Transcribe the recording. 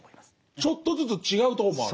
ちょっとずつ違うとこもある？